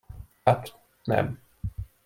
Hát, nem.